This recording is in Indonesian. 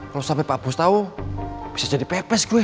kalo sampe pak bos tau bisa jadi pepes gua